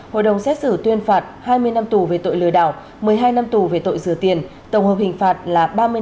hội đồng xét xử tuyên phạt hai mươi năm tù về tội lừa đảo một mươi hai năm tù về tội rửa tiền tổng hợp hình phạt là ba mươi năm tù